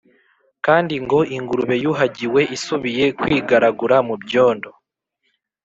kandi ngo, Ingurube yuhagiwe isubiye kwigaragura mu byondo